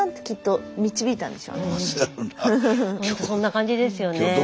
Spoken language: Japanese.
そんな感じですよね。